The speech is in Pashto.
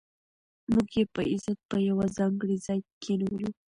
موږ یې په عزت په یو ځانګړي ځای کې کېنولو.